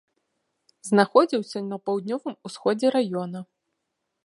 Знаходзіўся на паўднёвым усходзе раёна.